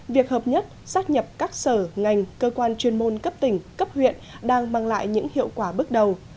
việc hợp nhất xác nhập các sở ngành cơ quan chuyên môn cấp tỉnh cấp huyện đang mang lại những hiệu quả bước đầu